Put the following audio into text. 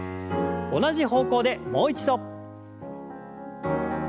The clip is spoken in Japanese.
同じ方向でもう一度。